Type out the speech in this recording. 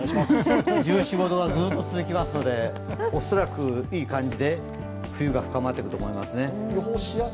１４１５度がずっと続きますので恐らくいい感じで冬が深まってくと思いますね。